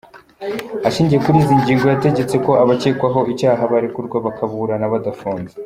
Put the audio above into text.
Ashingiye kuri izi ngingo yategetse ko abakekwaho icyaha barekurwa bakaburana badafunzwe.